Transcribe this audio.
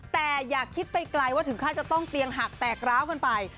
แต่อย่าคิดไปไกลว่าถึงขั้นจะต้องเตียงหักแตกร้าวกันไป